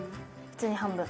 普通に半分。